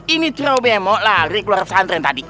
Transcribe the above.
ini cerau bemo lari keluar pesantren tadi